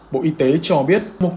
bộ y tế cho biết